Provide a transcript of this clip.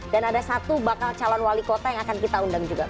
dan ada satu bakal calon wali kota yang akan kita undang juga